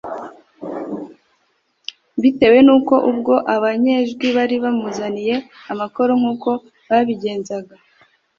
bitewe n' uko ubwo Abanyejwi bari bamuzaniye amakoro nk' uko babigenzaga